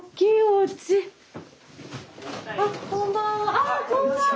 あっこんばんは。